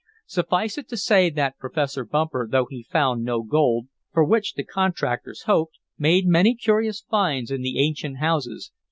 Suffice it to say that Professor Bumper, though he found no gold, for which the contractors hoped, made many curious finds in the ancient houses.